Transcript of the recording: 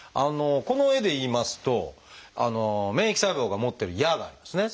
この絵でいいますと免疫細胞が持ってる矢がありますね。